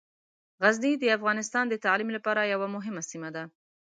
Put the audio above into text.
غزني د افغانستان د تعلیم لپاره یوه مهمه سیمه ده.